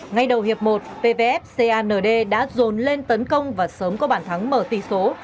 ngay đầu hiệp một pvf cand đã dồn lên tấn công và sớm có bản thắng mở tỷ số